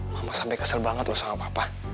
mama sampe kesel banget loh sama papa